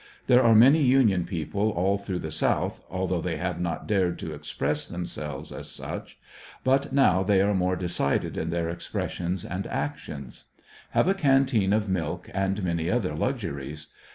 There are many Union people all through the South, althooigh they have not dared to express themselves as such, but now they are more decided in their expressions and actions. Had a canteen of milk, and many other luxuries.